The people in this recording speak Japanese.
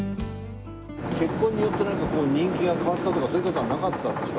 結婚によってなんかこう人気が変わったとかそういう事はなかったんでしょ？